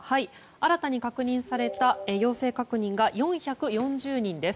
新たに確認された陽性確認が４４０人です。